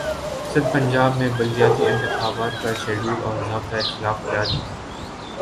سندھپنجاب میں بلدیاتی انتخابات کاشیڈول اور ضابطہ اخلاق جاری